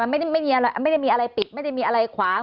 มันไม่ได้ไม่มีอะไรไม่ได้มีอะไรปิดไม่ได้มีอะไรขวาง